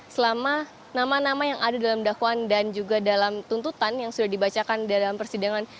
selama nama nama yang ada dalam dakwaan dan juga dalam tuntutan yang sudah dibacakan dalam persidangan